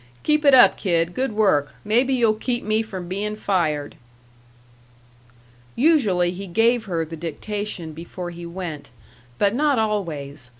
Keep it up, kid; good work. Maybe you'll keep me from being fired." Usually he gave her the dictation before he went. But not always.